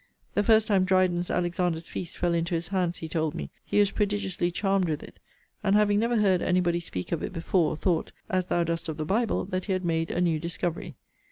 'The first time Dryden's Alexander's Feast fell into his hands, he told me, he was prodigiously charmed with it: and, having never heard any body speak of it before, thought, as thou dost of the Bible, that he had made a new discovery.